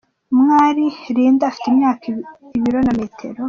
Umwali Lindah afite imyaka , ibiro na metero .